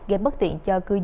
gây bất tiện cho người dân